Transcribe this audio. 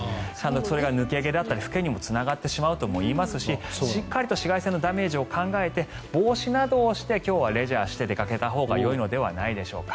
それが抜け毛だったりふけにもつながってしまうといいますししっかりと紫外線のダメージを考えて、帽子などをして今日はレジャーして出かけたほうがいいのではないでしょうか。